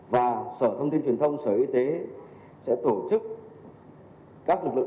và sở thông tin truyền thông sở y tế sẽ tổ chức các lực lượng